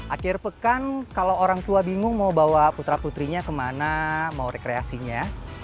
akhir pekan kalau orang tua bingung mau bawa putra putrinya kemana mau rekreasinya